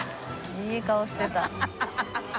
いい顔してた。